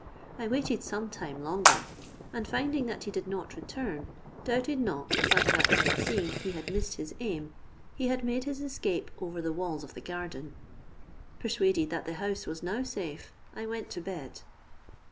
I waited some time longer, and finding that he did not return, doubted not but that, seeing he had missed his aim, he had made his escape over the walls of the garden. Persuaded that the house was now safe, I went to bed.